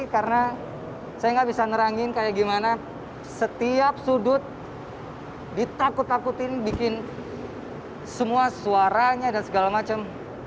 karena saya nggak bisa ngerangin kayak gimana setiap sudut ditakut takutin bikin semua suaranya dan segala macem